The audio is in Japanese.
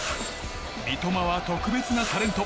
三笘は特別なタレント。